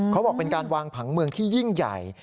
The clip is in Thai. เขาบอกเป็นการวางผังเมืองที่ยิ่งใหญ่